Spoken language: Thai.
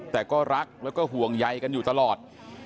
แต่ก็รักแล้วก็ห่วงใยกันอยู่ตลอด